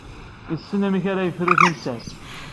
Yessen amek ara yefru timsal.